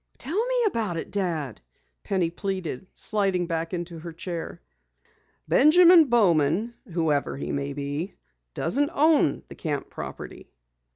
"Tell me about it, Dad," Penny pleaded, sliding back into her chair. "Benjamin Bowman whoever he may be doesn't own the camp property."